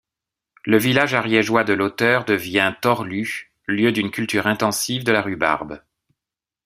Le village ariégeois de l’auteur devient Torlu, lieu d’une culture intensive de la rhubarbe.